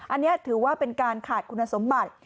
อันนี้ถือว่าเป็นการขาดคุณสมบัติ